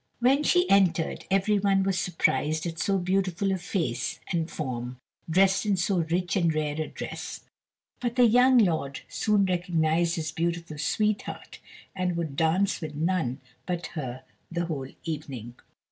When she entered every one was surprised at so beautiful a face and form dressed in so rich and rare a dress; but the young lord soon recognised his beautiful sweetheart, and would dance with none but her the whole evening.